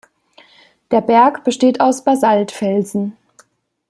Der Berg besteht aus Basaltfelsen.